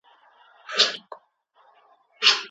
د ساحلي تابلو ترشا پټ شوی.